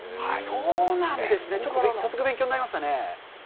そうなんですね、早速勉強になりましたね。